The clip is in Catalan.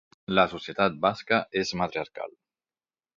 La societat basca és matriarcal.